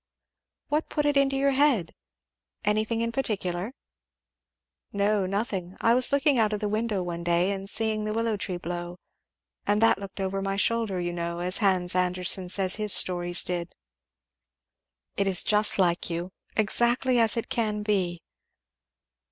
"What put it into your head? anything in particular?" "No nothing I was looking out of the window one day and seeing the willow tree blow; and that looked over my shoulder; as you know Hans Andersen says his stories did." "It is just like you! exactly as it can be."